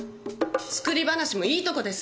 作り話もいいとこです！